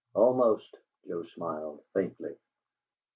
"Almost," Joe smiled, faintly.